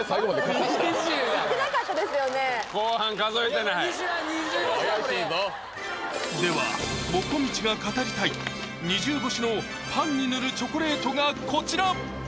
これ怪しいぞではもこみちが語りたい２０星のパンに塗るチョコレートがこちら！